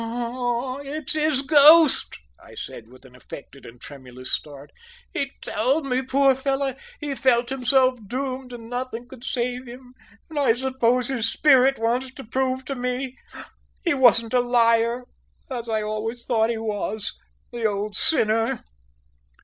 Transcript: "Ah, it's his ghost!" I said, with an affected and tremulous start. "He told me, poor fellow, he felt himself doomed, and nothing could save him; and I suppose his spirit wants to prove to me he wasn't a liar, as I always thought he was, the old sinner!"